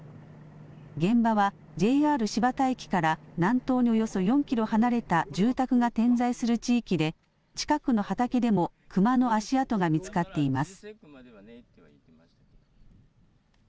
現場はＪＲ新発田駅から、南東におよそ４キロ離れた住宅が点在する地域で、近くの畑でも熊の足跡が見つかっています。